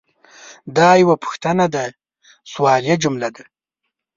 دا یوه پوښتنه ده – سوالیه جمله ده.